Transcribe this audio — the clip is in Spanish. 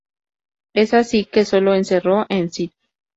Es así que se lo encerró en St.